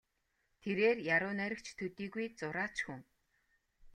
Тэрээр яруу найрагч төдийгүй зураач хүн.